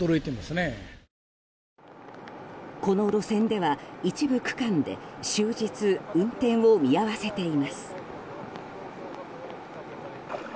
この路線では一部区間で終日、運転を見合わせています。